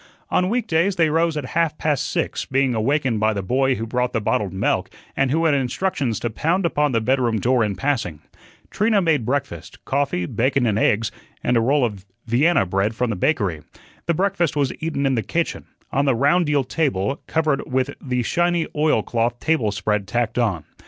On weekdays they rose at half past six, being awakened by the boy who brought the bottled milk, and who had instructions to pound upon the bedroom door in passing. Trina made breakfast coffee, bacon and eggs, and a roll of Vienna bread from the bakery. The breakfast was eaten in the kitchen, on the round deal table covered with the shiny oilcloth table spread tacked on.